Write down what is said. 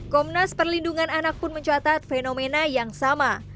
komnas perlindungan anak pun mencatat fenomena yang sama